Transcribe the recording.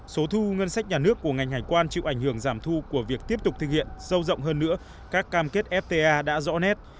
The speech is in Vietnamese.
số thu ngân sách nhà nước của ngành hải quan chịu ảnh hưởng giảm thu của việc tiếp tục thực hiện sâu rộng hơn nữa các cam kết fta đã rõ nét